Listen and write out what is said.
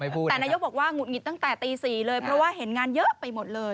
แต่นายกบอกว่าหงุดหงิดตั้งแต่ตี๔เลยเพราะว่าเห็นงานเยอะไปหมดเลย